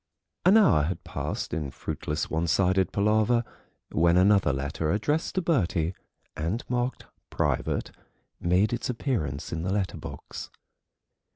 An hour had passed in fruitless one sided palaver when another letter addressed to Bertie and marked "private" made its appearance in the letter box.